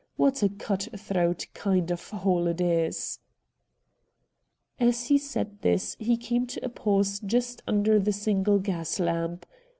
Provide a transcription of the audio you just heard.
What a cut throat kind of hole it is !' As he said this he came to a pause just under the single gas lamp.